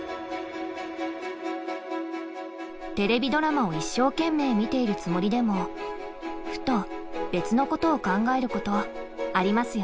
テレビドラマを一生懸命見ているつもりでもふと別のことを考えることありますよね。